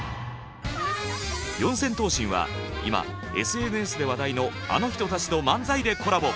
四千頭身は今ＳＮＳで話題のあの人たちと漫才でコラボ。